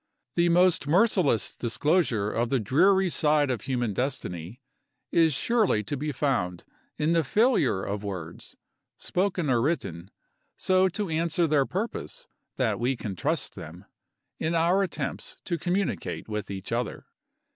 The most merciless disclosure of the dreary side of human destiny is surely to be found in the failure of words, spoken or written, so to answer their purpose that we can trust them, in our attempts to communicate with each other.